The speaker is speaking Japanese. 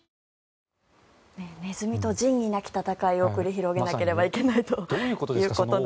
ネズミと仁義なき戦いを繰り広げないといけないということで。